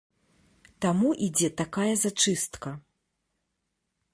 Таму ідзе такая зачыстка.